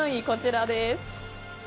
こちらです。